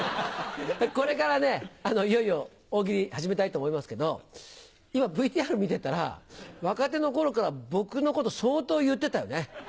これから、いよいよ大喜利始めたいと思いますけれども、今、ＶＴＲ見てたら、若手のころから僕のこと、相当言ってたよね。